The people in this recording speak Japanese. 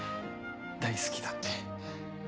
「大好きだ」って。